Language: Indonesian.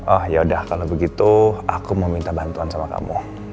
oh yaudah kalau begitu aku mau minta bantuan sama kamu